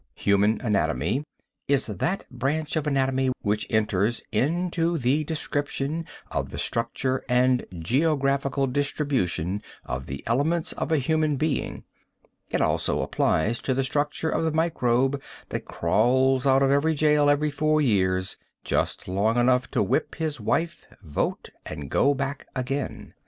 Human anatomy is that branch of anatomy which enters into the description of the structure and geographical distribution of the elements of a human being. It also applies to the structure of the microbe that crawls out of jail every four years just long enough to whip his wife, vote and go back again.